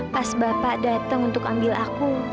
pas bapak datang untuk ambil aku